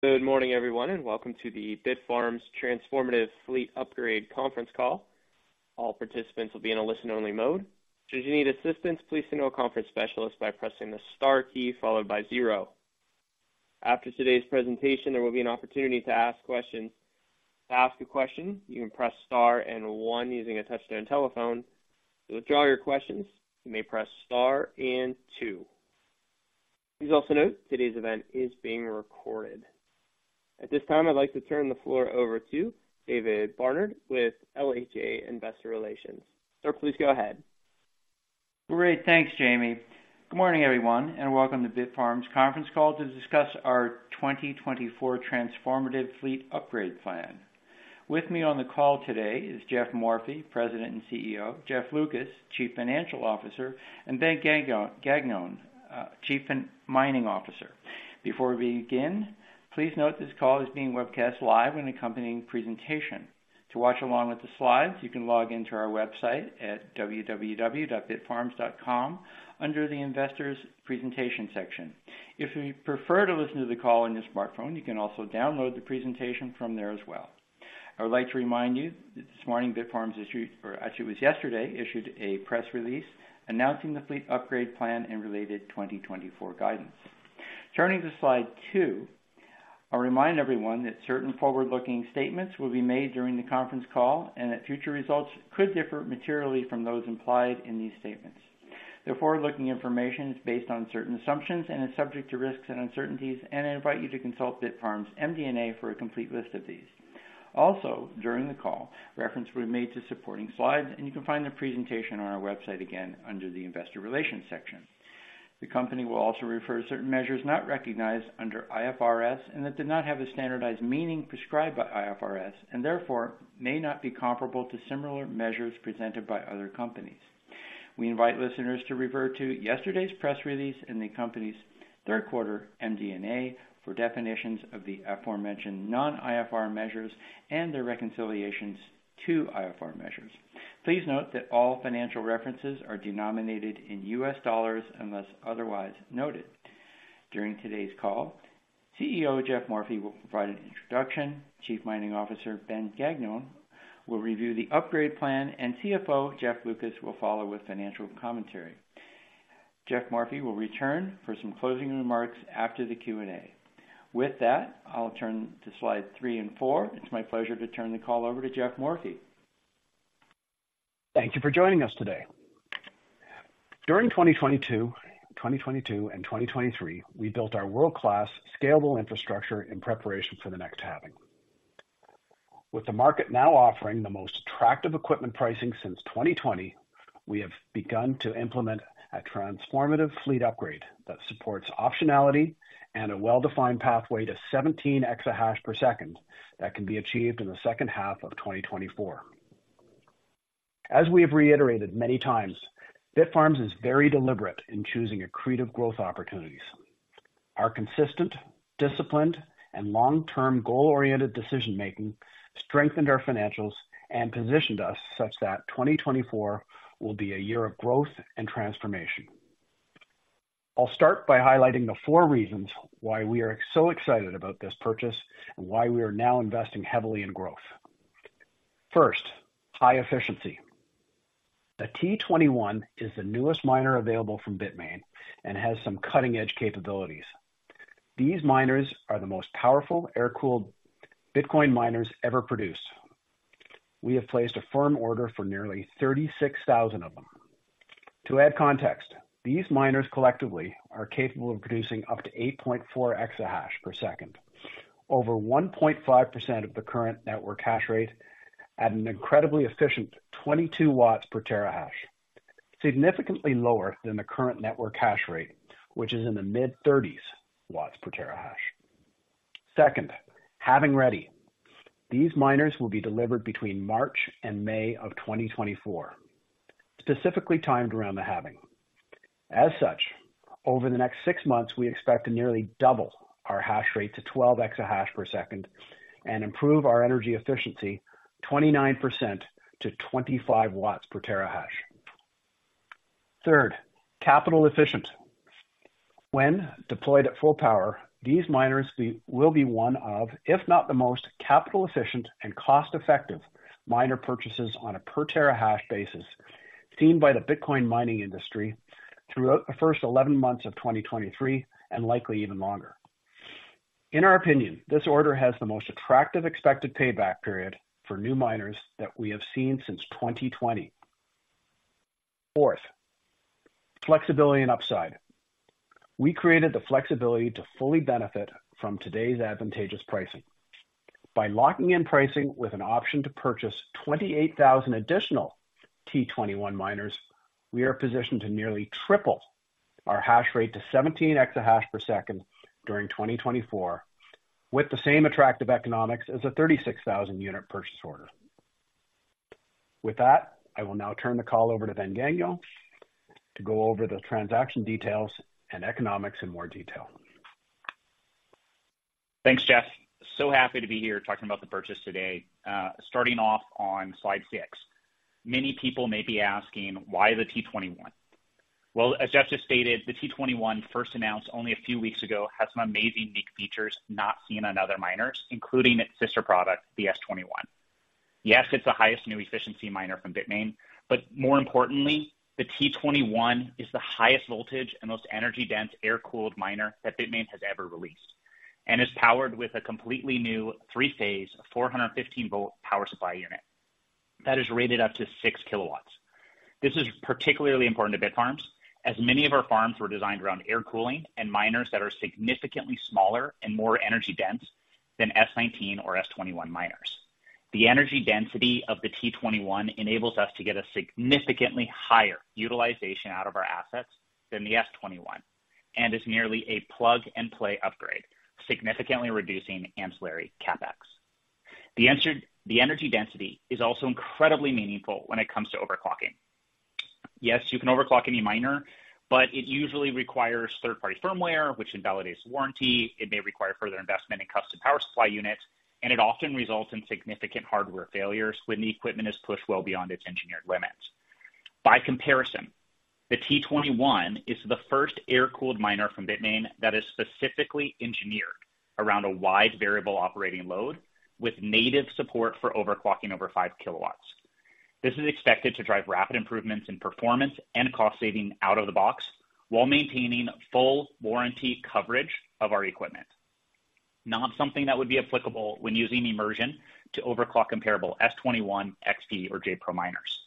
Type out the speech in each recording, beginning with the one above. Good morning, everyone, and welcome to the Bitfarms Transformative Fleet Upgrade conference call. All participants will be in a listen-only mode. Should you need assistance, please signal a conference specialist by pressing the star key followed by zero. After today's presentation, there will be an opportunity to ask questions. To ask a question, you can press star and one using a touchtone telephone. To withdraw your questions, you may press star and two. Please also note, today's event is being recorded. At this time, I'd like to turn the floor over to David Barnard with LHA Investor Relations. Sir, please go ahead. Great, thanks, Jamie. Good morning, everyone, and welcome to Bitfarms conference call to discuss our 2024 transformative fleet upgrade plan. With me on the call today is Geoff Morphy, President and CEO, Jeffrey Lucas, Chief Financial Officer, and Ben Gagnon, Chief Mining Officer. Before we begin, please note this call is being webcast live in accompanying presentation. To watch along with the slides, you can log in to our website at www.bitfarms.com under the Investors Presentation section. If you prefer to listen to the call on your smartphone, you can also download the presentation from there as well. I would like to remind you that this morning, Bitfarms issued, or actually it was yesterday, issued a press release announcing the fleet upgrade plan and related 2024 guidance. Turning to slide two, I'll remind everyone that certain forward-looking statements will be made during the conference call and that future results could differ materially from those implied in these statements. The forward-looking information is based on certain assumptions and is subject to risks and uncertainties, and I invite you to consult Bitfarms' MD&A for a complete list of these. Also, during the call, reference will be made to supporting slides, and you can find the presentation on our website, again, under the Investor Relations section. The company will also refer to certain measures not recognized under IFRS and that do not have a standardized meaning prescribed by IFRS, and therefore may not be comparable to similar measures presented by other companies. We invite listeners to refer to yesterday's press release and the company's third quarter MD&A for definitions of the aforementioned non-IFRS measures and their reconciliations to IFRS measures. Please note that all financial references are denominated in U.S. dollars unless otherwise noted. During today's call, CEO Geoff Morphy will provide an introduction, Chief Mining Officer Ben Gagnon will review the upgrade plan, and CFO Jeff Lucas will follow with financial commentary. Geoff Morphy will return for some closing remarks after the Q&A. With that, I'll turn to slide 3 and 4. It's my pleasure to turn the call over to Geoff Morphy. Thank you for joining us today. During 2022 and 2023, we built our world-class scalable infrastructure in preparation for the next halving. With the market now offering the most attractive equipment pricing since 2020, we have begun to implement a transformative fleet upgrade that supports optionality and a well-defined pathway to 17 EH/s that can be achieved in the second half of 2024. As we have reiterated many times, Bitfarms is very deliberate in choosing accretive growth opportunities. Our consistent, disciplined, and long-term goal-oriented decision-making strengthened our financials and positioned us such that 2024 will be a year of growth and transformation. I'll start by highlighting the four reasons why we are so excited about this purchase and why we are now investing heavily in growth. First, high efficiency. The T21 is the newest miner available from Bitmain and has some cutting-edge capabilities. These miners are the most powerful air-cooled Bitcoin miners ever produced. We have placed a firm order for nearly 36,000 of them. To add context, these miners collectively are capable of producing up to 8.4 EH/s, over 1.5% of the current network hash rate at an incredibly efficient 22 W/TH, significantly lower than the current network hash rate, which is in the mid-30s W/TH. Second, halving ready. These miners will be delivered between March and May of 2024, specifically timed around the halving. As such, over the next six months, we expect to nearly double our hash rate to 12 EH/s and improve our energy efficiency 29% to 25 W/TH. Third, capital efficient. When deployed at full power, these miners will be one of, if not the most capital-efficient and cost-effective miner purchases on a per terahash basis, seen by the Bitcoin mining industry throughout the first eleven months of 2023, and likely even longer. In our opinion, this order has the most attractive expected payback period for new miners that we have seen since 2020. Fourth, flexibility and upside. We created the flexibility to fully benefit from today's advantageous pricing. By locking in pricing with an option to purchase 28,000 additional T21 miners, we are positioned to nearly triple our hash rate to 17 EH/s during 2024, with the same attractive economics as a 36,000 unit purchase order. With that, I will now turn the call over to Ben Gagnon to go over the transaction details and economics in more detail. Thanks, Geoff. So happy to be here talking about the purchase today. Starting off on slide six. Many people may be asking, why the T21? Well, as Jeff just stated, the T21 first announced only a few weeks ago, has some amazing unique features not seen on other miners, including its sister product, the S21. Yes, it's the highest new efficiency miner from Bitmain, but more importantly, the T21 is the highest voltage and most energy dense air-cooled miner that Bitmain has ever released, and is powered with a completely new three-phase, 415-volt power supply unit that is rated up to 6 kilowatts. This is particularly important to Bitfarms, as many of our farms were designed around air cooling and miners that are significantly smaller and more energy dense than S19 or S21 miners. The energy density of the T21 enables us to get a significantly higher utilization out of our assets than the S21, and is merely a plug-and-play upgrade, significantly reducing ancillary CapEx. The energy density is also incredibly meaningful when it comes to overclocking. Yes, you can overclock any miner, but it usually requires third-party firmware, which invalidates the warranty. It may require further investment in custom power supply units, and it often results in significant hardware failures when the equipment is pushed well beyond its engineered limits. By comparison, the T21 is the first air-cooled miner from Bitmain that is specifically engineered around a wide variable operating load with native support for overclocking over 5 kW. This is expected to drive rapid improvements in performance and cost saving out of the box, while maintaining full warranty coverage of our equipment. Not something that would be applicable when using immersion to overclock comparable S21, XP, or J Pro miners.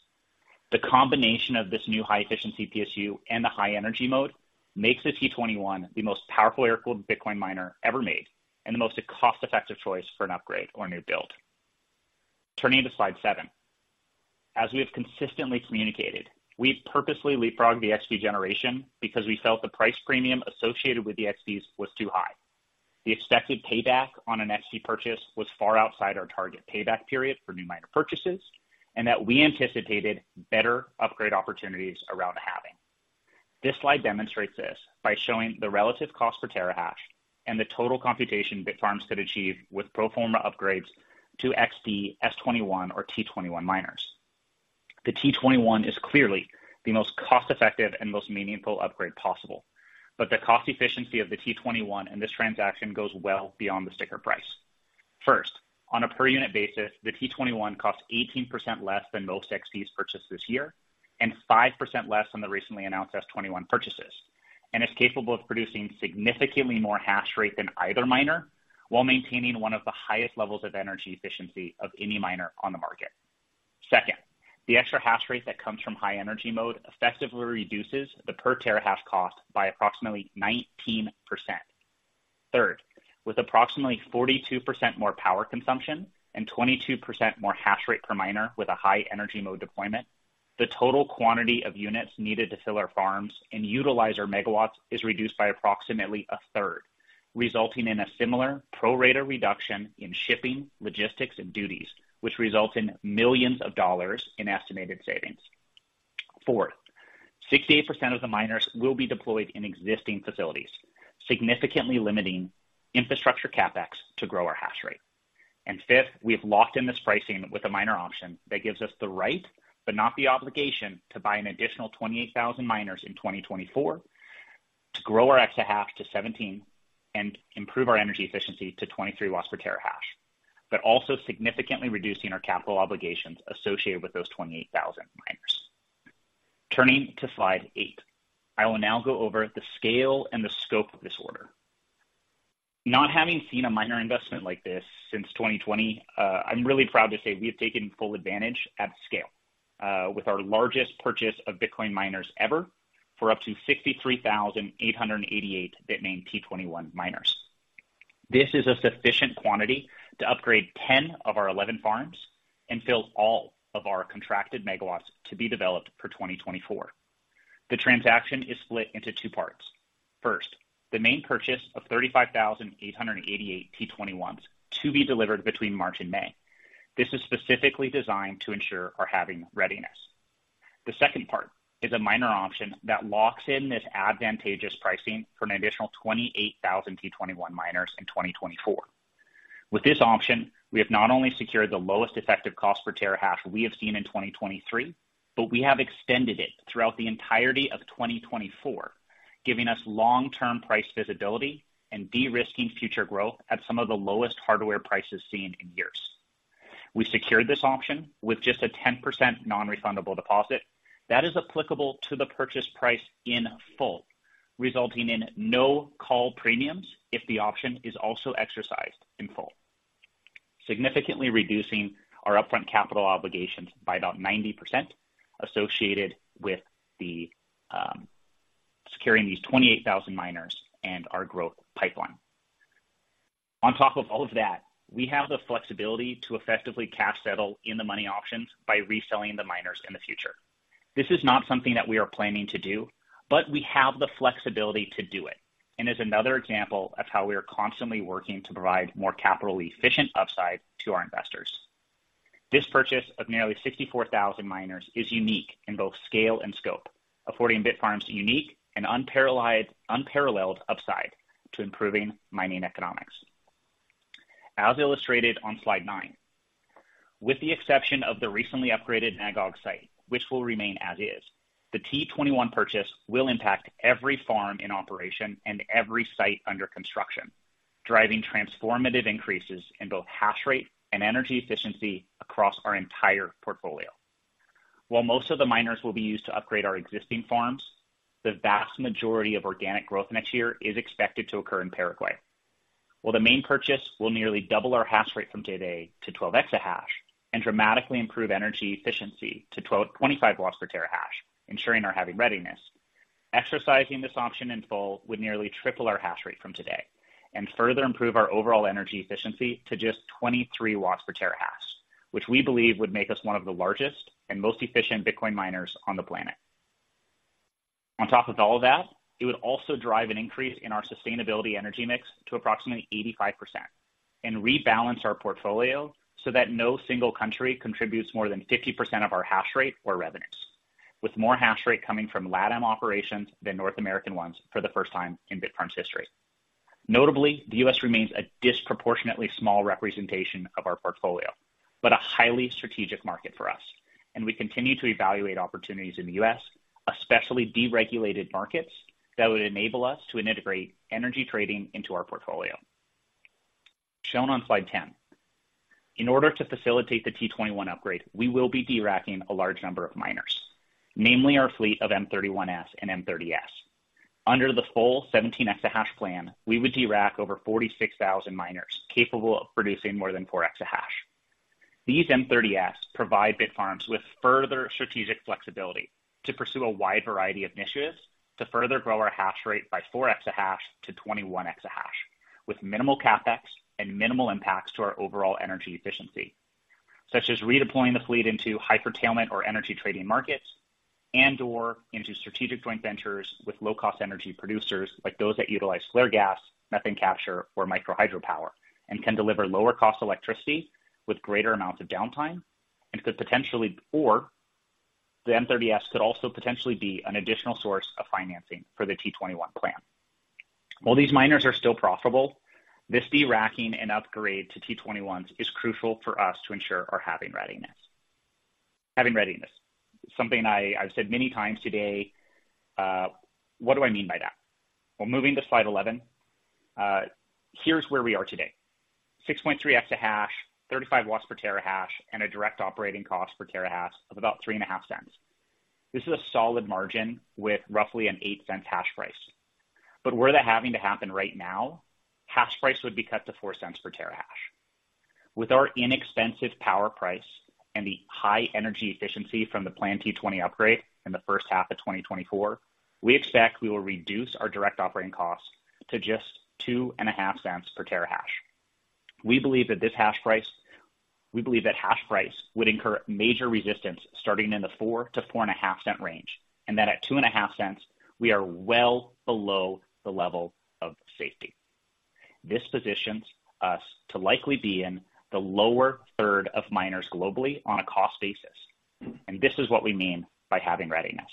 The combination of this new high-efficiency PSU and the high energy mode makes the T21 the most powerful air-cooled Bitcoin miner ever made, and the most cost-effective choice for an upgrade or a new build. Turning to slide seven. As we have consistently communicated, we've purposely leapfrogged the XP generation because we felt the price premium associated with the XPs was too high. The expected payback on an XP purchase was far outside our target payback period for new miner purchases, and that we anticipated better upgrade opportunities around halving. This slide demonstrates this by showing the relative cost per terahash and the total computation Bitfarms could achieve with pro forma upgrades to XP, S21, or T21 miners. The T21 is clearly the most cost-effective and most meaningful upgrade possible, but the cost efficiency of the T21 in this transaction goes well beyond the sticker price. First, on a per unit basis, the T21 costs 18% less than most XPs purchased this year and 5% less than the recently announced S21 purchases, and is capable of producing significantly more hash rate than either miner, while maintaining one of the highest levels of energy efficiency of any miner on the market. Second, the extra hash rate that comes from high energy mode effectively reduces the per terahash cost by approximately 19%. Third, with approximately 42% more power consumption and 22% more hash rate per miner with a high energy mode deployment, the total quantity of units needed to fill our farms and utilize our MW is reduced by approximately a third, resulting in a similar pro rata reduction in shipping, logistics, and duties, which results in $ millions in estimated savings. Fourth, 68% of the miners will be deployed in existing facilities, significantly limiting infrastructure CapEx to grow our hash rate. And fifth, we have locked in this pricing with a miner option that gives us the right, but not the obligation, to buy an additional 28,000 miners in 2024 to grow our exahash to 17 and improve our energy efficiency to 23 W/TH, but also significantly reducing our capital obligations associated with those 28,000 miners. Turning to slide eight. I will now go over the scale and the scope of this order. Not having seen a miner investment like this since 2020, I'm really proud to say we have taken full advantage at scale, with our largest purchase of Bitcoin miners ever for up to 63,888 Bitmain T21 miners. This is a sufficient quantity to upgrade 10 of our 11 farms and fills all of our contracted megawatts to be developed for 2024. The transaction is split into two parts. First, the main purchase of 35,888 T21s to be delivered between March and May. This is specifically designed to ensure our having readiness. The second part is a miner option that locks in this advantageous pricing for an additional 28,000 T21 miners in 2024. With this option, we have not only secured the lowest effective cost per terahash we have seen in 2023, but we have extended it throughout the entirety of 2024, giving us long-term price visibility and de-risking future growth at some of the lowest hardware prices seen in years. We secured this option with just a 10% non-refundable deposit. That is applicable to the purchase price in full, resulting in no call premiums if the option is also exercised in full, significantly reducing our upfront capital obligations by about 90% associated with the securing these 28,000 miners and our growth pipeline. On top of all of that, we have the flexibility to effectively cash settle in the money options by reselling the miners in the future. This is not something that we are planning to do, but we have the flexibility to do it, and is another example of how we are constantly working to provide more capital-efficient upside to our investors. This purchase of nearly 64,000 miners is unique in both scale and scope, affording Bitfarms a unique and unparalleled upside to improving mining economics, as illustrated on slide nine. With the exception of the recently upgraded Magog site, which will remain as is, the T21 purchase will impact every farm in operation and every site under construction, driving transformative increases in both hash rate and energy efficiency across our entire portfolio. While most of the miners will be used to upgrade our existing farms, the vast majority of organic growth next year is expected to occur in Paraguay. While the main purchase will nearly double our hash rate from today to 12 EH/s and dramatically improve energy efficiency to 12-25 W/TH, ensuring our having readiness. Exercising this option in full would nearly triple our hash rate from today and further improve our overall energy efficiency to just 23 W/TH, which we believe would make us one of the largest and most efficient Bitcoin miners on the planet. On top of all that, it would also drive an increase in our sustainability energy mix to approximately 85% and rebalance our portfolio so that no single country contributes more than 50% of our hash rate or revenues, with more hash rate coming from LATAM operations than North American ones for the first time in Bitfarms' history. Notably, the U.S. remains a disproportionately small representation of our portfolio, but a highly strategic market for us, and we continue to evaluate opportunities in the U.S., especially deregulated markets that would enable us to integrate energy trading into our portfolio. Shown on slide 10. In order to facilitate the T21 upgrade, we will be deracking a large number of miners, namely our fleet of M31Ss and M30Ss. Under the full 17 exahash plan, we would derack over 46,000 miners capable of producing more than 4 exahash. These M30Ss provide Bitfarms with further strategic flexibility to pursue a wide variety of initiatives to further grow our hash rate by four exahash to 21 exahash, with minimal CapEx and minimal impacts to our overall energy efficiency, such as redeploying the fleet into hydrocurtailment or energy trading markets, and/or into strategic joint ventures with low-cost energy producers like those that utilize flare gas, methane capture, or micro hydropower, and can deliver lower cost electricity with greater amounts of downtime, and could potentially—or the M30S could also potentially be an additional source of financing for the T21 plan. While these miners are still profitable, this deracking and upgrade to T21s is crucial for us to ensure our having readiness. Having readiness, something I, I've said many times today, what do I mean by that? Well, moving to slide 11, here's where we are today. 6.3 exahash, 35 W/TH, and a direct operating cost per terahash of about $0.035. This is a solid margin with roughly an $0.08 hash price. But were that having to happen right now, hash price would be cut to $0.04 per terahash. With our Inexpensive Power Price and the high energy efficiency from the planned T21 upgrade in the first half of 2024, we expect we will reduce our direct operating costs to just $0.025 per terahash. We believe that this hash price, we believe that hash price would incur major resistance starting in the $0.04-$0.045 range, and that at $0.025, we are well below the level of safety. This positions us to likely be in the lower third of miners globally on a cost basis, and this is what we mean by having readiness.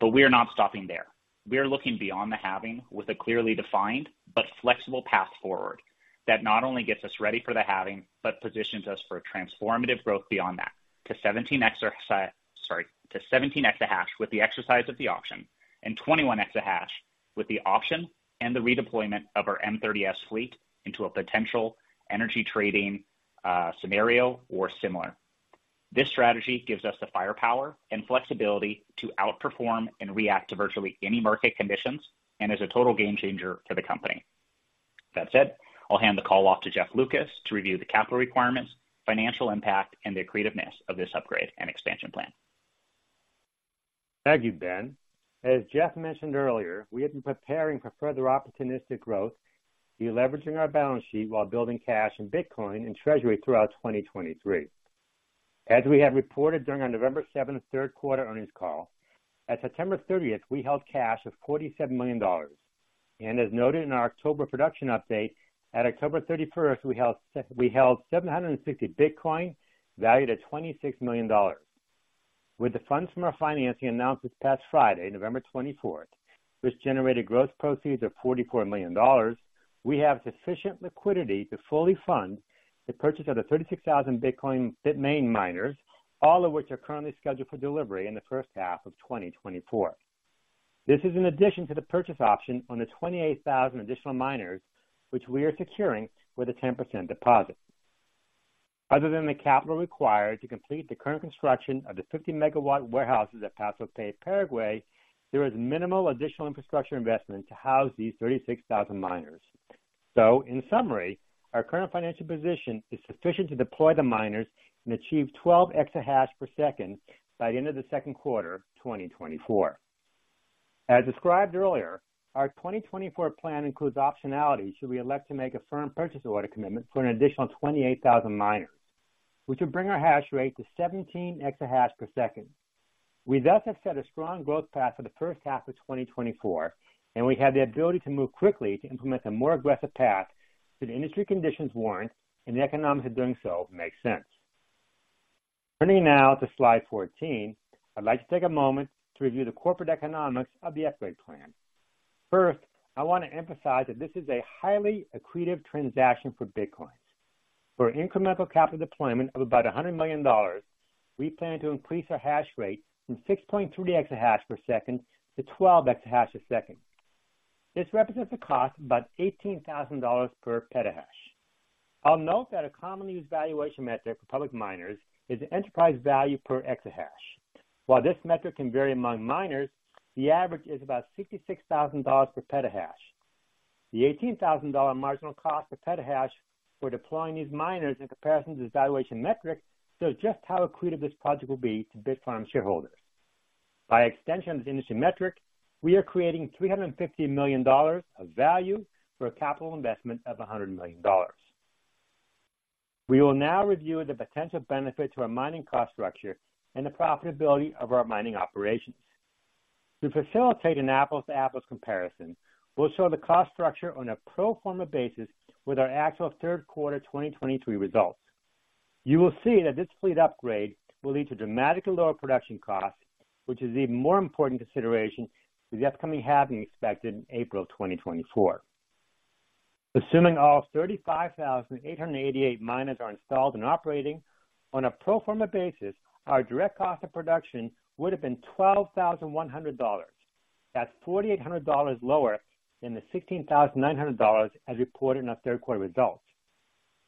But we are not stopping there. We are looking beyond the halving with a clearly defined but flexible path forward that not only gets us ready for the halving, but positions us for a transformative growth beyond that to 17 exa, sorry, to 17 exahash with the exercise of the option and 21 exahash with the option and the redeployment of our M30S fleet into a potential energy trading scenario or similar. This strategy gives us the firepower and flexibility to outperform and react to virtually any market conditions and is a total game changer for the company. That said, I'll hand the call off to Jeff Lucas to review the capital requirements, financial impact, and the creativeness of this upgrade and expansion plan. Thank you, Ben. As Jeff mentioned earlier, we have been preparing for further opportunistic growth, deleveraging our balance sheet while building cash in Bitcoin and Treasury throughout 2023. As we have reported during our November 7 third quarter earnings call, at September 30, we held cash of $47 million, and as noted in our October production update, at October 31, we held we held 760 Bitcoin, valued at $26 million. With the funds from our financing announced this past Friday, November 24, which generated gross proceeds of $44 million, we have sufficient liquidity to fully fund the purchase of the 36,000 Bitcoin Bitmain miners, all of which are currently scheduled for delivery in the first half of 2024. This is in addition to the purchase option on the 28,000 additional miners, which we are securing with a 10% deposit. Other than the capital required to complete the current construction of the 50-MW warehouses at Paso Pe, Paraguay, there is minimal additional infrastructure investment to house these 36,000 miners. So in summary, our current financial position is sufficient to deploy the miners and achieve 12 exahash per second by the end of the second quarter, 2024. As described earlier, our 2024 plan includes optionality should we elect to make a firm purchase order commitment for an additional 28,000 miners, which would bring our hash rate to 17 exahash per second. We thus have set a strong growth path for the first half of 2024, and we have the ability to move quickly to implement a more aggressive path if the industry conditions warrant and the economics of doing so makes sense. Turning now to slide 14, I'd like to take a moment to review the corporate economics of the upgrade plan. First, I want to emphasize that this is a highly accretive transaction for Bitfarms. For an incremental capital deployment of about $100 million, we plan to increase our hash rate from 6.3 EH/s to 12 EH/s. This represents a cost of about $18,000 per PH. I'll note that a commonly used valuation metric for public miners is the enterprise value per exahash. While this metric can vary among miners, the average is about $66,000 per petahash. The $18,000 marginal cost per petahash for deploying these miners in comparison to this valuation metric shows just how accretive this project will be to Bitfarms Shareholders. By extension of this industry metric, we are creating $350 million of value for a capital investment of $100 million. We will now review the potential benefit to our mining cost structure and the profitability of our mining operations. To facilitate an apples-to-apples comparison, we'll show the cost structure on a pro forma basis with our actual third quarter 2023 results. You will see that this fleet upgrade will lead to dramatically lower production costs, which is an even more important consideration for the upcoming halving expected in April 2024. Assuming all 35,888 miners are installed and operating on a pro forma basis, our direct cost of production would have been $12,100. That's $4,800 lower than the $16,900 as reported in our third quarter results.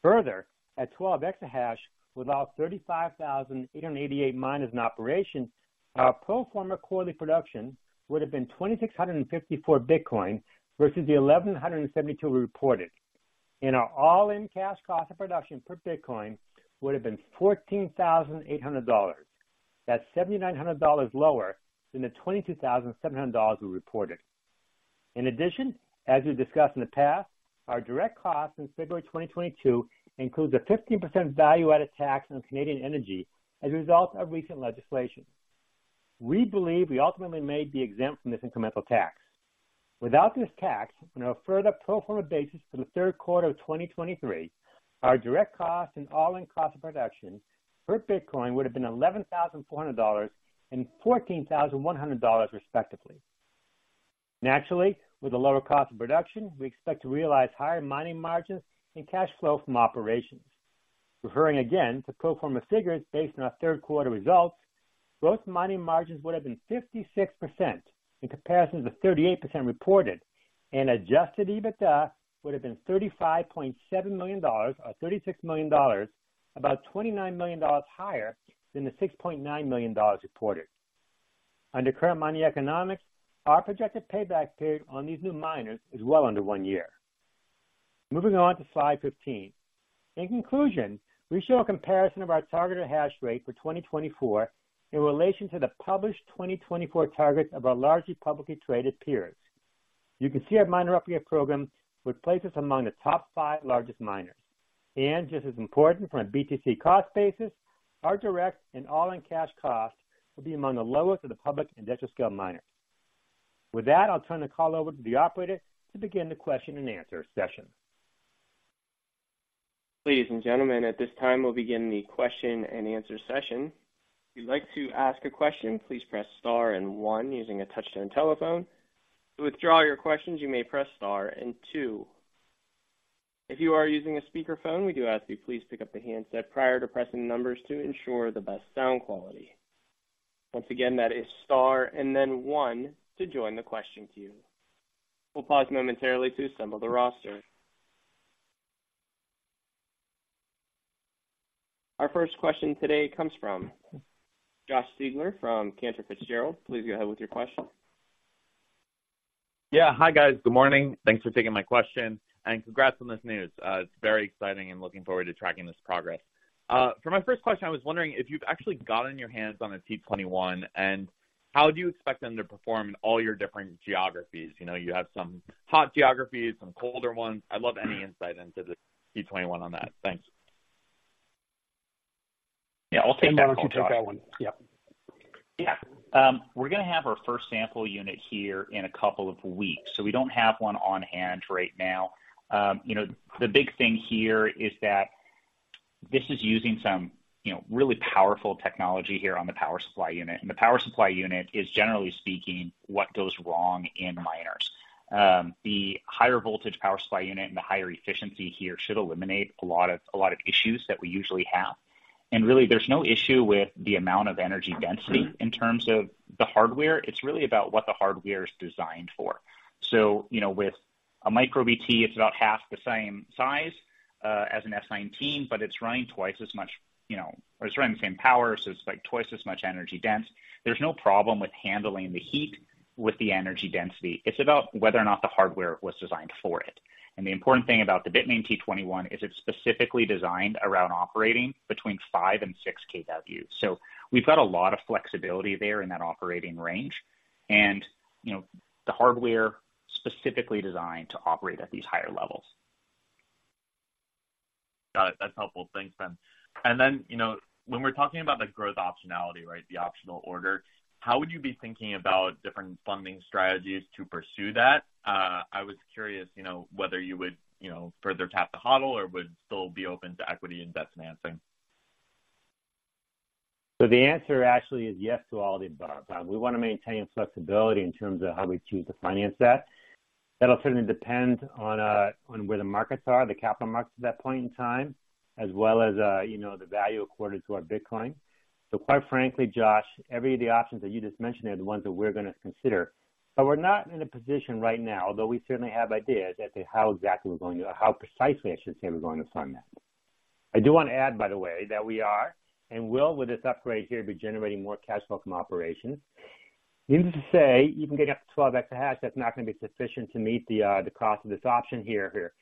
Further, at 12 exahash, with all 35,888 miners in operation, our pro forma quarterly production would have been 2,654 Bitcoin versus the 1,172 we reported. Our all-in cash cost of production per Bitcoin would have been $14,800. That's $7,900 lower than the $22,700 we reported. In addition, as we've discussed in the past, our direct costs in February 2022 includes a 15% value-added tax on Canadian energy as a result of recent legislation. We believe we ultimately may be exempt from this incremental tax. Without this tax, on a further pro forma basis for the third quarter of 2023, our direct costs and all-in cost of production per Bitcoin would have been $11,400 and $14,100, respectively. Naturally, with a lower cost of production, we expect to realize higher mining margins and cash flow from operations. Referring again to pro forma figures based on our third quarter results, gross mining margins would have been 56% in comparison to the 38% reported, and adjusted EBITDA would have been $35.7 million or $36 million, about $29 million higher than the $6.9 million reported. Under current mining economics, our projected payback period on these new miners is well under one year. Moving on to slide 15. In conclusion, we show a comparison of our targeted hash rate for 2024 in relation to the published 2024 targets of our largely publicly traded peers. You can see our miner upgrade program would place us among the top five largest miners, and just as important, from a BTC cost basis, our direct and all-in cash costs will be among the lowest of the public industrial-scale miners. With that, I'll turn the call over to the operator to begin the question-and-answer session. Ladies and gentlemen, at this time, we'll begin the question-and-answer session. If you'd like to ask a question, please press star and one using a touch-tone telephone. To withdraw your questions, you may press star and two. If you are using a speakerphone, we do ask you please pick up the handset prior to pressing numbers to ensure the best sound quality. Once again, that is star and then one to join the question queue. We'll pause momentarily to assemble the roster. Our first question today comes from Josh Siegler from Cantor Fitzgerald. Please go ahead with your question. Yeah. Hi, guys. Good morning. Thanks for taking my question, and congrats on this news. It's very exciting and looking forward to tracking this progress. For my first question, I was wondering if you've actually gotten your hands on a T21, and how do you expect them to perform in all your different geographies? You know, you have some hot geographies, some colder ones. I'd love any insight into the T21 on that. Thanks. Yeah, I'll take that one, Josh. Ben, why don't you take that one? Yep. Yeah. We're gonna have our first sample unit here in a couple of weeks, so we don't have one on hand right now. You know, the big thing here is that this is using some, you know, really powerful technology here on the power supply unit, and the power supply unit is, generally speaking, what goes wrong in miners. The higher voltage power supply unit and the higher efficiency here should eliminate a lot of, a lot of issues that we usually have. And really, there's no issue with the amount of energy density in terms of the hardware. It's really about what the hardware is designed for. So, you know, with a MicroBT, it's about half the same size, as an S19, but it's running twice as much, you know, it's running the same power, so it's, like, twice as much energy dense. There's no problem with handling the heat with the energy density. It's about whether or not the hardware was designed for it. And the important thing about the Bitmain T21 is it's specifically designed around operating between 5-6 kW. So we've got a lot of flexibility there in that operating range and, you know, the hardware specifically designed to operate at these higher levels. Got it. That's helpful. Thanks, Ben. And then, you know, when we're talking about the growth optionality, right, the optional order, how would you be thinking about different funding strategies to pursue that? I was curious, you know, whether you would, you know, further tap the HODL or would still be open to equity investment financing? So the answer actually is yes to all of the above, Tom. We want to maintain flexibility in terms of how we choose to finance that. That'll certainly depend on where the markets are, the capital markets at that point in time, as well as you know, the value accorded to our Bitcoin. So quite frankly, Josh, every of the options that you just mentioned are the ones that we're going to consider. But we're not in a position right now, although we certainly have ideas as to how exactly we're going to, or how precisely I should say, we're going to fund that. I do want to add, by the way, that we are, and will, with this upgrade here, be generating more cash flow from operations. Needless to say, even getting up to 12 exahash, that's not going to be sufficient to meet the, the cost of this option here, here.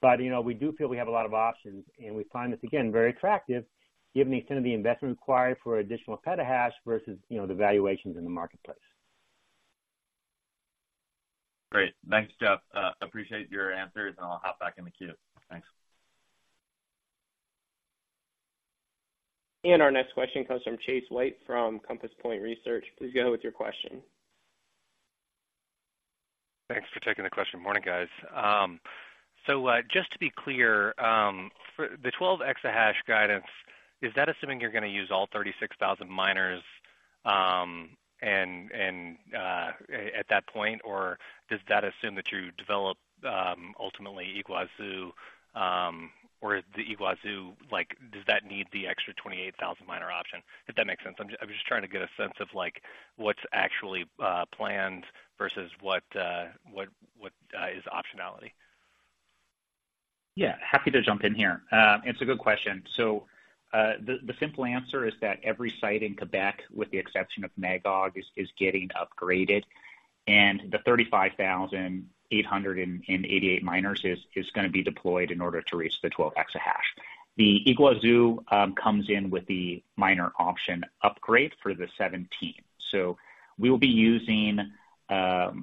But, you know, we do feel we have a lot of options, and we find this, again, very attractive, given the extent of the investment required for additional petahash versus, you know, the valuations in the marketplace. Great. Thanks, Geoff. Appreciate your answers, and I'll hop back in the queue. Thanks. Our next question comes from Chase White, from Compass Point Research. Please go ahead with your question. Thanks for taking the question. Morning, guys. So, just to be clear, for the 12 exahash guidance, is that assuming you're going to use all 36,000 miners, and, and, at that point, or does that assume that you develop, ultimately Iguazú, or the Iguazú, like, does that need the extra 28,000 miner option? If that makes sense. I'm just, I'm just trying to get a sense of, like, what's actually, planned versus what, what, what, is optionality. Yeah, happy to jump in here. It's a good question. So, the simple answer is that every site in Quebec, with the exception of Magog, is getting upgraded, and the 35,888 miners is going to be deployed in order to reach the 12 exahash. The Iguazú comes in with the miner option upgrade for the 17. So we will be using about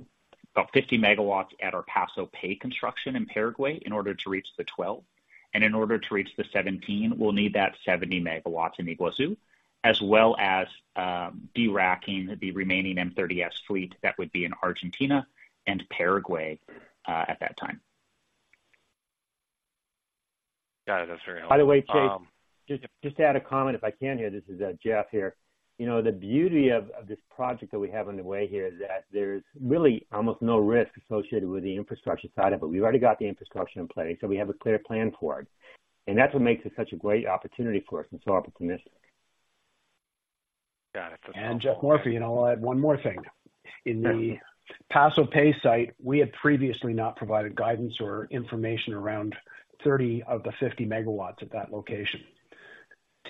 50 MW at our Paso Pe construction in Paraguay in order to reach the 12, and in order to reach the 17, we'll need that 70 MW in Iguazú, as well as deracking the remaining M30S fleet that would be in Argentina and Paraguay at that time. Got it. That's very helpful. By the way, Chase, just, just to add a comment, if I can here. This is, Geoff here. You know, the beauty of, of this project that we have on the way here is that there's really almost no risk associated with the infrastructure side of it. We've already got the infrastructure in place, so we have a clear plan for it, and that's what makes it such a great opportunity for us and so optimistic. Got it. Geoff Morphy, and I'll add one more thing. In the Paso Pe site, we had previously not provided guidance or information around 30 of the 50 MW at that location.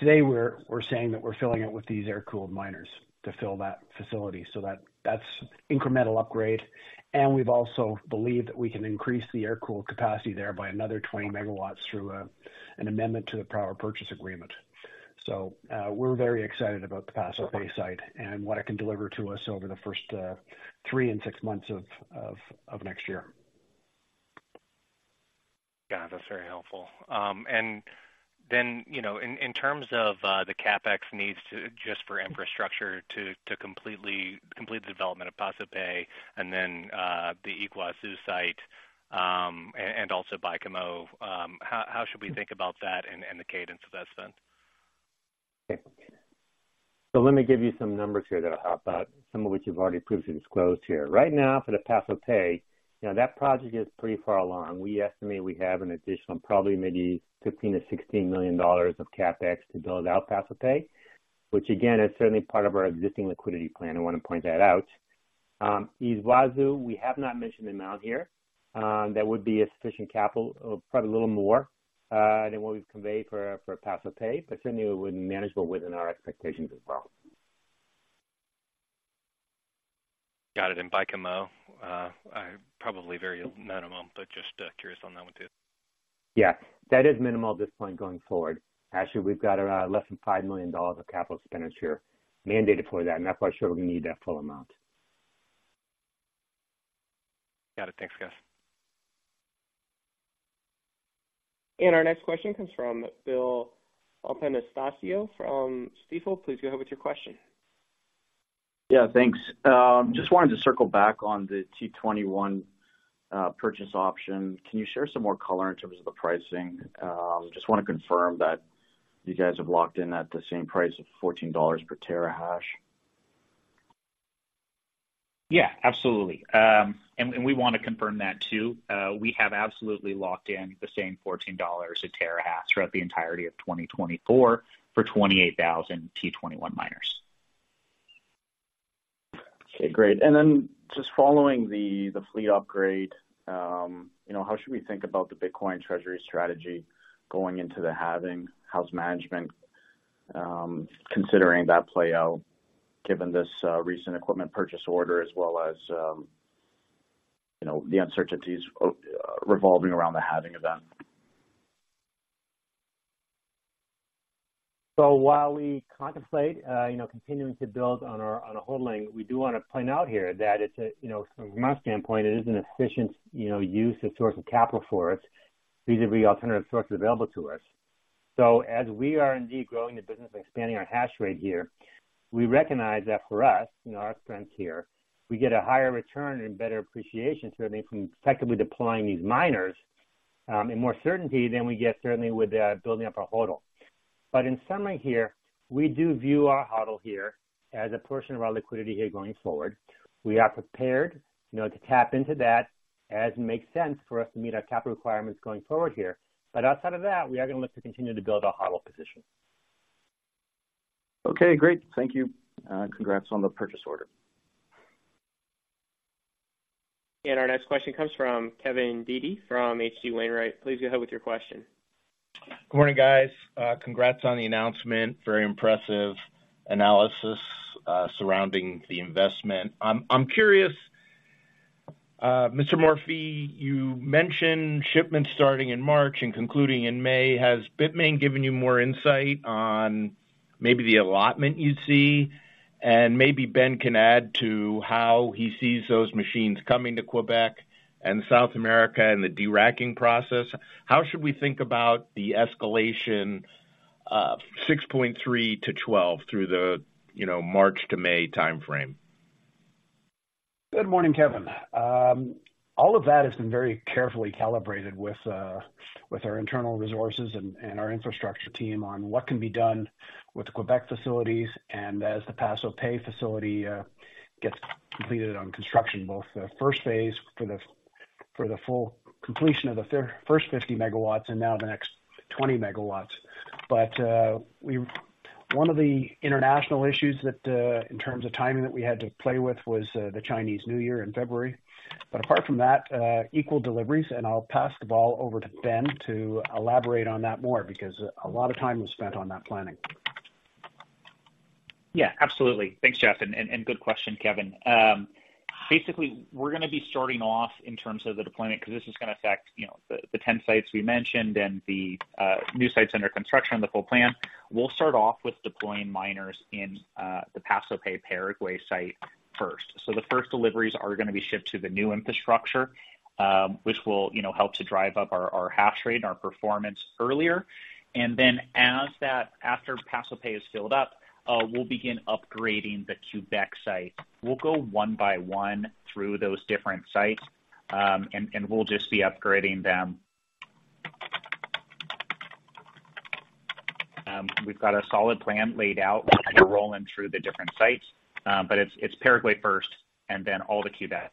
Today, we're saying that we're filling it with these air-cooled miners to fill that facility, so that's an incremental upgrade. We've also believed that we can increase the air-cooled capacity there by another 20 MW through an amendment to the power purchase agreement. So, we're very excited about the Paso Pe site and what it can deliver to us over the first 3 and 6 months of next year. Got it. That's very helpful. And then, you know, in terms of the CapEx needs to Just for infrastructure to completely complete the development of Paso Pe and then the Iguazú site, and also Baie-Comeau, how should we think about that and the cadence of that spend? So let me give you some numbers here that I'll hop out, some of which you've already previously disclosed here. Right now, for the Paso Pe, you know, that project is pretty far along. We estimate we have an additional probably maybe $15 million-$16 million of CapEx to build out Paso Pe, which, again, is certainly part of our existing liquidity plan. I want to point that out. Iguazú, we have not mentioned the amount here. That would be a sufficient capital, probably a little more than what we've conveyed for Paso Pe, but certainly it would be manageable within our expectations as well. Got it. And Baie-Comeau, probably very minimum, but just curious on that one, too. Yeah, that is minimal at this point going forward. Actually, we've got, less than $5 million of capital spend this year mandated for that, and that's why I'm sure we need that full amount. Got it. Thanks, guys. Our next question comes from Bill Papanastasiou from Stifel. Please go ahead with your question. Yeah, thanks. Just wanted to circle back on the T21, purchase option. Can you share some more color in terms of the pricing? Just want to confirm that you guys have locked in at the same price of $14 per terahash. Yeah, absolutely. And we want to confirm that, too. We have absolutely locked in the same $14 a terahash throughout the entirety of 2024 for 28,000 T21 miners. Okay, great. And then just following the fleet upgrade, you know, how should we think about the Bitcoin treasury strategy going into the halving? How's management considering that play out, given this recent equipment purchase order, as well as, you know, the uncertainties revolving around the halving event? So while we contemplate, you know, continuing to build on our, on our holding, we do want to point out here that it's a, You know, from my standpoint, it is an efficient, you know, use and source of capital for us. These are the alternative sources available to us. So as we are indeed growing the business and expanding our hash rate here, we recognize that for us, you know, our strength here, we get a higher return and better appreciation, certainly, from effectively deploying these miners.... and more certainty than we get certainly with building up our HODL. But in summary here, we do view our HODL here as a portion of our liquidity here going forward. We are prepared, you know, to tap into that as it makes sense for us to meet our capital requirements going forward here. But outside of that, we are going to look to continue to build our HODL position. Okay, great. Thank you. Congrats on the purchase order. Our next question comes from Kevin Dede from H.C. Wainwright. Please go ahead with your question. Good morning, guys. Congrats on the announcement. Very impressive analysis surrounding the investment. I'm curious, Mr. Morphy, you mentioned shipments starting in March and concluding in May. Has Bitmain given you more insight on maybe the allotment you'd see? And maybe Ben can add to how he sees those machines coming to Quebec and South America and the deracking process. How should we think about the escalation of 6.3-12 through the, you know, March to May time frame? Good morning, Kevin. All of that has been very carefully calibrated with our internal resources and our infrastructure team on what can be done with the Quebec facilities and as the Paso Pe facility gets completed on construction, both the first phase for the full completion of the first 50 MW and now the next 20 MW. One of the international issues that in terms of timing that we had to play with was the Chinese New Year in February. Apart from that, equal deliveries, and I'll pass the ball over to Ben to elaborate on that more because a lot of time was spent on that planning. Yeah, absolutely. Thanks, Geoff, and good question, Kevin. Basically, we're going to be starting off in terms of the deployment, because this is going to affect, you know, the 10 sites we mentioned and the new sites under construction and the full plan. We'll start off with deploying miners in the Paso Pe Paraguay site first. So the first deliveries are going to be shipped to the new infrastructure, which will, you know, help to drive up our hash rate and our performance earlier. And then, after Paso Pe is filled up, we'll begin upgrading the Quebec site. We'll go one by one through those different sites, and we'll just be upgrading them. We've got a solid plan laid out to roll in through the different sites, but it's Paraguay first and then all the Quebec.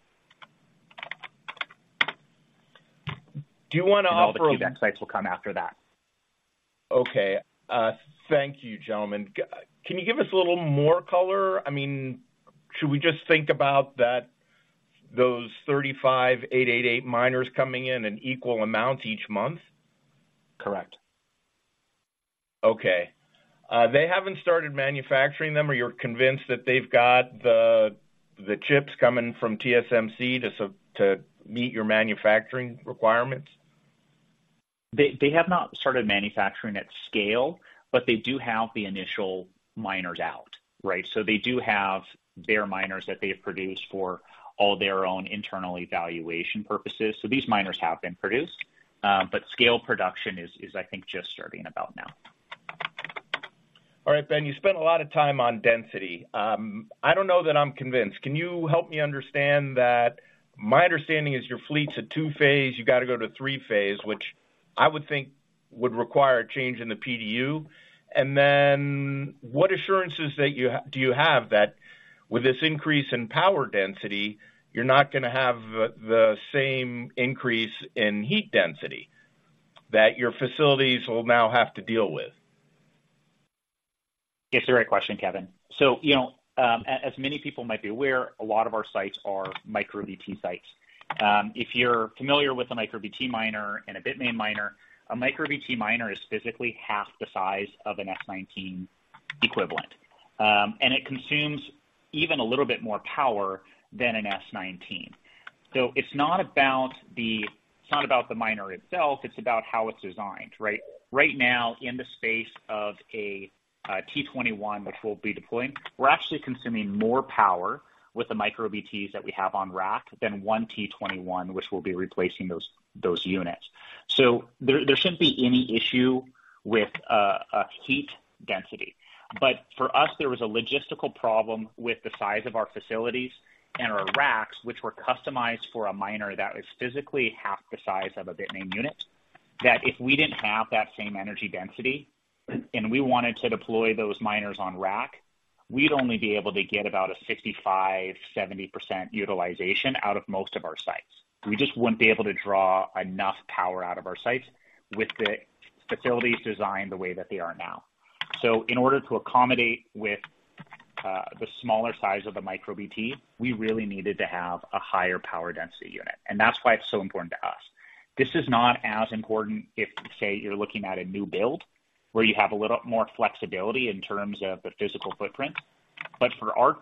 Do you want to offer- All the Quebec sites will come after that. Okay. Thank you, gentlemen. Can you give us a little more color? I mean, should we just think about that, those 35,888 miners coming in in equal amounts each month? Correct. Okay. They haven't started manufacturing them, or you're convinced that they've got the chips coming from TSMC to meet your manufacturing requirements? They have not started manufacturing at scale, but they do have the initial miners out, right? So they do have their miners that they've produced for all their own internal evaluation purposes. So these miners have been produced, but scale production is, I think, just starting about now. All right, Ben, you spent a lot of time on density. I don't know that I'm convinced. Can you help me understand that? My understanding is your fleet's a two-phase. You got to go to a three-phase, which I would think would require a change in the PDU. And then what assurances do you have that with this increase in power density, you're not going to have the same increase in heat density that your facilities will now have to deal with? It's the right question, Kevin. So, you know, as many people might be aware, a lot of our sites are MicroBT sites. If you're familiar with a MicroBT miner and a Bitmain miner, a MicroBT miner is physically half the size of an S19 equivalent, and it consumes even a little bit more power than an S19. So it's not about the miner itself, it's about how it's designed, right? Right now, in the space of a T21, which we'll be deploying, we're actually consuming more power with the MicroBTs that we have on rack than one T21, which will be replacing those units. So there shouldn't be any issue with a heat density. But for us, there was a logistical problem with the size of our facilities and our racks, which were customized for a miner that is physically half the size of a Bitmain unit, that if we didn't have that same energy density and we wanted to deploy those miners on rack, we'd only be able to get about a 65%-70% utilization out of most of our sites. We just wouldn't be able to draw enough power out of our sites with the facilities designed the way that they are now. So in order to accommodate with the smaller size of the MicroBT, we really needed to have a higher power density unit, and that's why it's so important to us. This is not as important if, say, you're looking at a new build, where you have a little more flexibility in terms of the physical footprint. But for our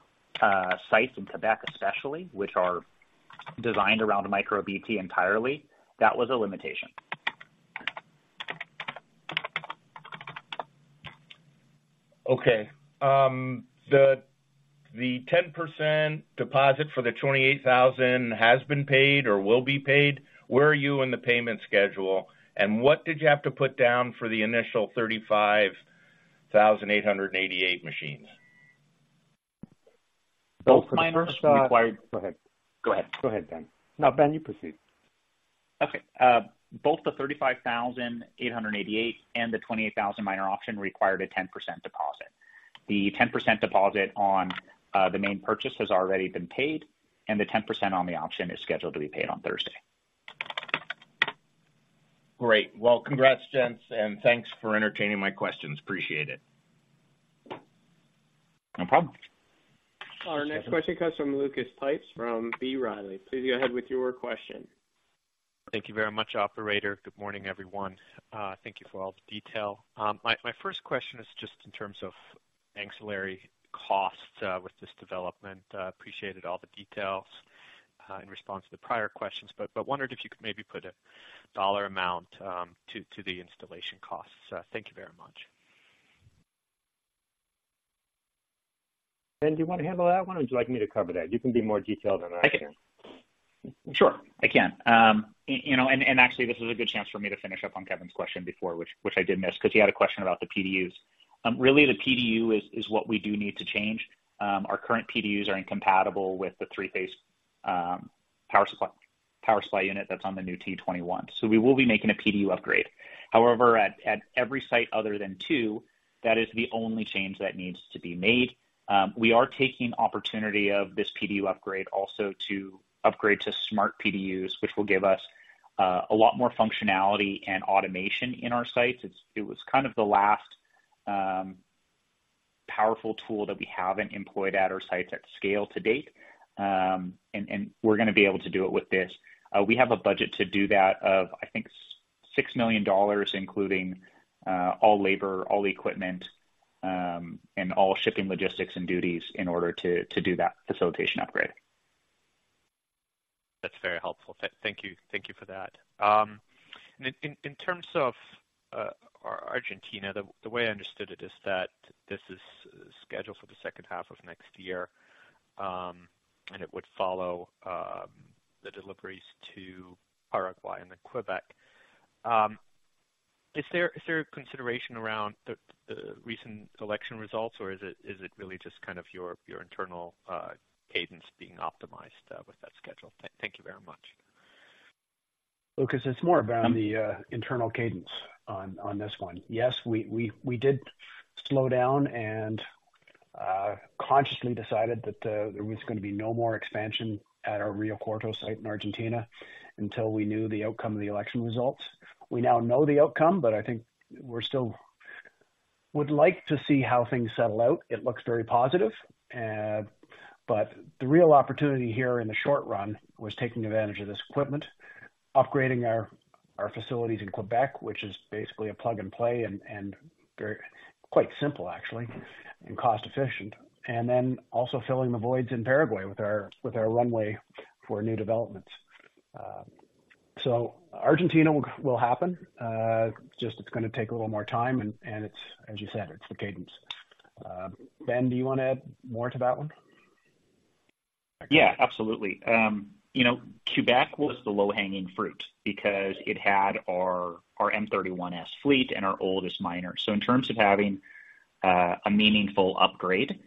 sites in Quebec, especially, which are designed around a MicroBT entirely, that was a limitation. Okay. The 10% deposit for the 28,000 has been paid or will be paid? Where are you in the payment schedule, and what did you have to put down for the initial 35,888 machines?... Both miners required- Go ahead. Go ahead. Go ahead, Ben. No, Ben, you proceed. Okay. Both the 35,888 and the 28,000 miner option required a 10% deposit. The 10% deposit on the main purchase has already been paid, and the 10% on the option is scheduled to be paid on Thursday. Great! Well, congrats, gents, and thanks for entertaining my questions. Appreciate it. No problem. Our next question comes from Lucas Pipes from B. Riley. Please go ahead with your question. Thank you very much, operator. Good morning, everyone. Thank you for all the detail. My first question is just in terms of ancillary costs with this development. Appreciated all the details in response to the prior questions, but wondered if you could maybe put a dollar amount to the installation costs. Thank you very much. Ben, do you want to handle that one, or would you like me to cover that? You can be more detailed than I can. I can. Sure, I can. You know, actually, this is a good chance for me to finish up on Kevin's question before, which I did miss, because he had a question about the PDUs. Really, the PDU is what we do need to change. Our current PDUs are incompatible with the three-phase power supply unit that's on the new T21. So we will be making a PDU upgrade. However, at every site other than two, that is the only change that needs to be made. We are taking opportunity of this PDU upgrade also to upgrade to smart PDUs, which will give us a lot more functionality and automation in our sites. It's. It was kind of the last powerful tool that we haven't employed at our sites at scale to date. We're going to be able to do it with this. We have a budget to do that of, I think, $6 million, including all labor, all equipment, and all shipping, logistics, and duties in order to do that facilitation upgrade. That's very helpful. Thank you. Thank you for that. And in terms of Argentina, the way I understood it is that this is scheduled for the second half of next year, and it would follow the deliveries to Paraguay and then Quebec. Is there consideration around the recent election results, or is it really just kind of your internal cadence being optimized with that schedule? Thank you very much. Lucas, it's more about the internal cadence on this one. Yes, we did slow down and consciously decided that there was going to be no more expansion at our Rio Cuarto site in Argentina until we knew the outcome of the election results. We now know the outcome, but I think we're still... would like to see how things settle out. It looks very positive, but the real opportunity here in the short run was taking advantage of this equipment, upgrading our facilities in Quebec, which is basically a plug-and-play and very quite simple, actually, and cost efficient. And then also filling the voids in Paraguay with our runway for new developments. So Argentina will happen. Just it's going to take a little more time, and it's, as you said, it's the cadence. Ben, do you want to add more to that one? Yeah, absolutely. You know, Quebec was the low-hanging fruit because it had our M31S fleet and our oldest miner. So in terms of having a meaningful upgrade,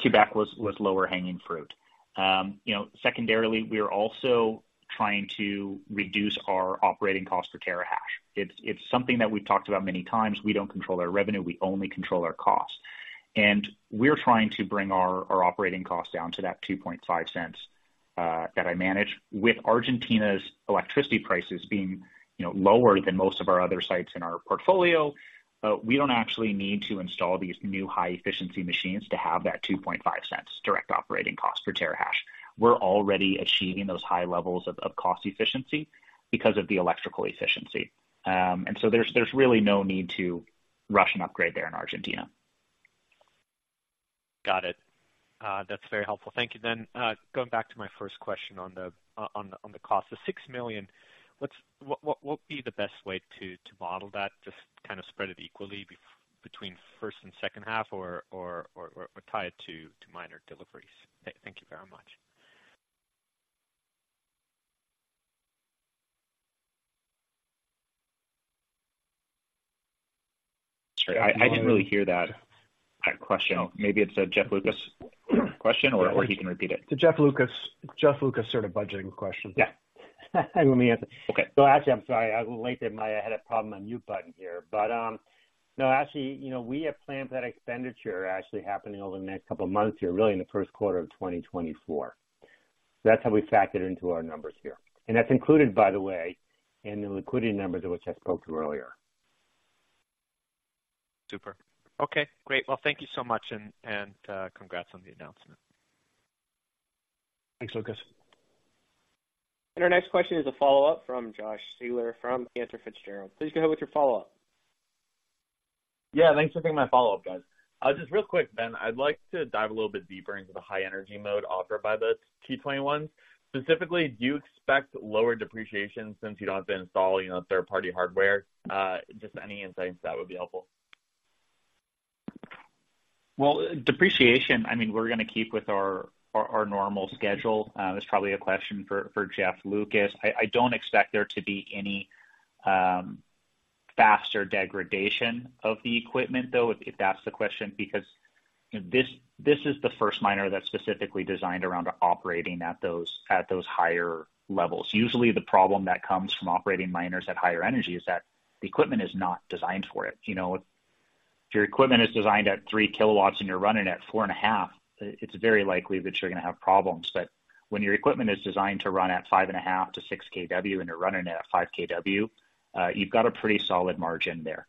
Quebec was lower-hanging fruit. You know, secondarily, we are also trying to reduce our operating cost per terahash. It's something that we've talked about many times. We don't control our revenue, we only control our costs. And we're trying to bring our operating costs down to that $0.025 that I managed. With Argentina's electricity prices being, you know, lower than most of our other sites in our portfolio, we don't actually need to install these new high-efficiency machines to have that $0.025 direct operating cost per terahash. We're already achieving those high levels of cost efficiency because of the electrical efficiency. And so there's really no need to rush an upgrade there in Argentina. Got it. That's very helpful. Thank you. Then, going back to my first question on the cost, the $6 million, what would be the best way to model that? Just kind of spread it equally between first and second half or tie it to miner deliveries? Thank you very much. Sorry, I didn't really hear that question. Maybe it's a Jeff Lucas question, or he can repeat it. It's a Jeff Lucas, Jeff Lucas sort of budgeting question. Yeah. Let me answer. Okay. Actually, I'm sorry. I was late to my... I had a problem with my mute button here. But, no, actually, you know, we have planned that expenditure actually happening over the next couple of months here, really in the first quarter of 2024. That's how we factor it into our numbers here. And that's included, by the way, in the liquidity numbers of which I spoke to earlier. Super. Okay, great. Well, thank you so much, and congrats on the announcement. Thanks, Lucas. Our next question is a follow-up from Josh Siegler from Cantor Fitzgerald. Please go ahead with your follow-up. Yeah, thanks for taking my follow-up, guys. Just real quick, Ben, I'd like to dive a little bit deeper into the High-Energy Mode offered by the T21s. Specifically, do you expect lower depreciation since you don't have to install, you know, third-party hardware? Just any insights, that would be helpful. Well, depreciation, I mean, we're going to keep with our, our, our normal schedule. It's probably a question for, for Jeff Lucas. I, I don't expect there to be any faster degradation of the equipment, though, if, if that's the question, because, this, this is the first miner that's specifically designed around operating at those, at those higher levels. Usually, the problem that comes from operating miners at higher energy is that the equipment is not designed for it. You know, if your equipment is designed at 3 kW and you're running at 4.5, it's very likely that you're gonna have problems. But when your equipment is designed to run at 5.5-6 kW, and you're running it at 5 kW, you've got a pretty solid margin there.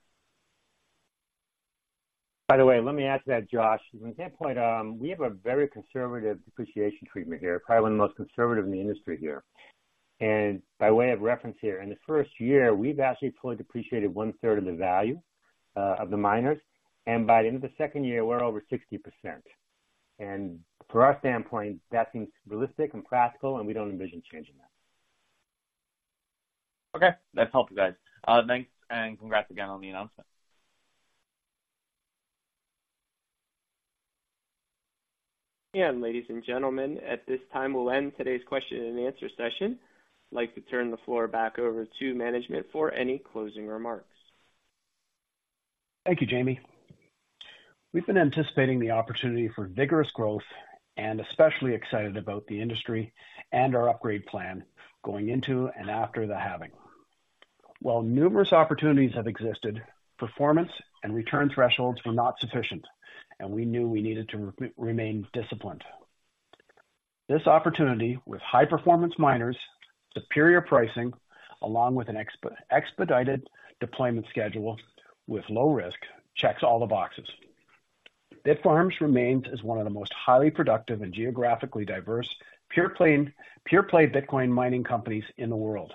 By the way, let me add to that, Josh. From that standpoint, we have a very conservative depreciation treatment here, probably one of the most conservative in the industry here. By way of reference here, in the first year, we've actually fully depreciated one third of the value of the miners, and by the end of the second year, we're over 60%. From our standpoint, that seems realistic and practical, and we don't envision changing that. Okay, that's helpful, guys. Thanks, and congrats again on the announcement. Ladies and gentlemen, at this time we'll end today's question and answer session. I'd like to turn the floor back over to management for any closing remarks. Thank you, Jamie. We've been anticipating the opportunity for vigorous growth and especially excited about the industry and our upgrade plan going into and after the halving. While numerous opportunities have existed, performance and return thresholds were not sufficient, and we knew we needed to remain disciplined. This opportunity, with high performance miners, superior pricing, along with an expedited deployment schedule with low risk, checks all the boxes. Bitfarms remains as one of the most highly productive and geographically diverse, pure play Bitcoin mining companies in the world,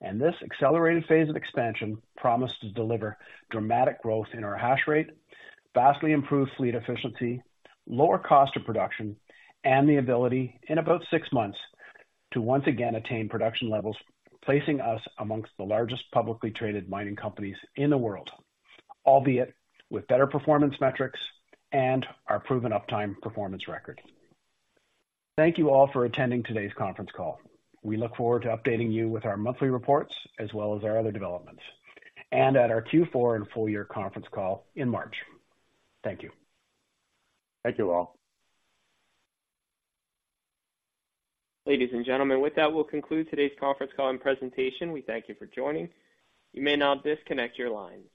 and this accelerated phase of expansion promises to deliver dramatic growth in our hash rate, vastly improved fleet efficiency, lower cost of production, and the ability, in about six months, to once again attain production levels, placing us amongst the largest publicly traded mining companies in the world, albeit with better performance metrics and our proven uptime performance record. Thank you all for attending today's conference call. We look forward to updating you with our monthly reports as well as our other developments, and at our Q4 and full year conference call in March. Thank you. Thank you all. Ladies and gentlemen, with that, we'll conclude today's conference call and presentation. We thank you for joining. You may now disconnect your lines.